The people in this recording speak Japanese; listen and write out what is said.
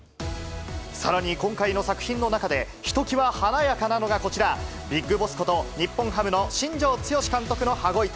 さらに今回の作品の中でひときわ華やかなのがこちら、ビッグボスこと、日本ハムの新庄剛志監督の羽子板。